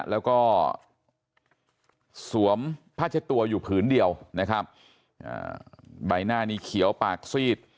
แล้วก็สวมผ้าเช็ดตัวอยู่ผืนเดียวนะครับใบหน้านี้เขียวปากซีด